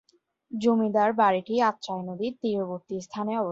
জমিদার বাড়িটি আত্রাই নদীর তীরবর্তী স্থানে অবস্থিত।